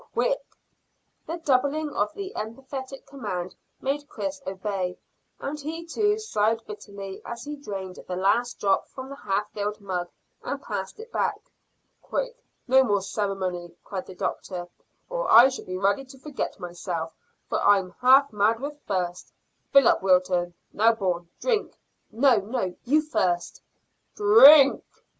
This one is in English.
"Quick!" The doubling of the emphatic command made Chris obey, and he too sighed bitterly as he drained the last drop from the half filled mug and passed it back. "Quick, no more ceremony," cried the doctor, "or I shall be ready to forget myself, for I'm half mad with thirst. Fill up, Wilton. Now, Bourne, drink." "No, no; you first." "Drink!"